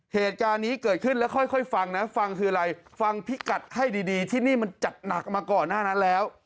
เหตุการณ์นี้เกิดขึ้นแล้วค่อยฟังนะฟังคืออะไรฟังพิกัดให้ดีที่นี่มันจัดหนักมาก่อนหน้านั้นแล้ว